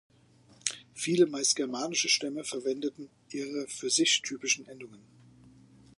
Viele, meist germanische Stämme, verwendeten ihre, für sich, typischen Endungen.